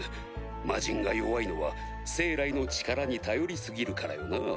魔人が弱いのは生来の力に頼り過ぎるからよな。